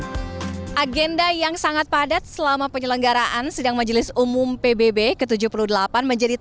dan berikutnya blog wiskopi padat yang ingin mendebutkan dalam hal bukti quasi japan